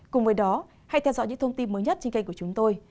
cùng với đó hãy theo dõi những thông tin mới nhất trên kênh của chúng tôi